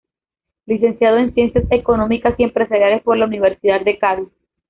Licenciado en Ciencias Económicas y Empresariales por la Universidad de Cádiz.